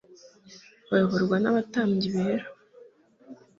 bayoborwa n'abatambyi bera